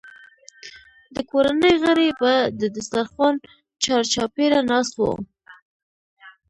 د کورنۍ غړي به د دسترخوان چارچاپېره ناست وو.